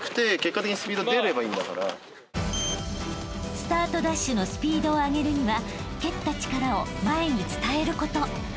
［スタートダッシュのスピードを上げるには蹴った力を前に伝えること］